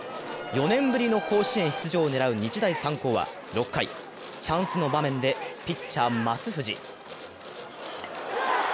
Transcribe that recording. ４年ぶりの甲子園出場を狙う日大三高は６回、チャンスの場面で、ピッチャー・松藤。